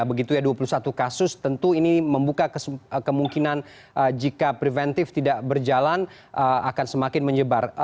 begitu ya dua puluh satu kasus tentu ini membuka kemungkinan jika preventif tidak berjalan akan semakin menyebar